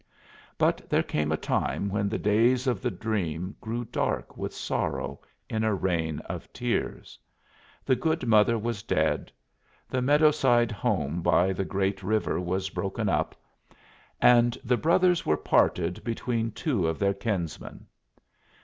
But there came a time when the days of the dream grew dark with sorrow in a rain of tears. The good mother was dead, the meadowside home by the great river was broken up, and the brothers were parted between two of their kinsmen.